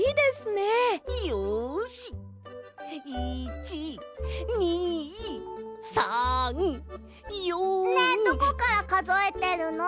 ねえどこからかぞえてるの？